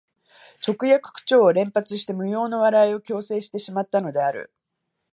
直訳口調を連発して無用の笑いを強制してしまったのである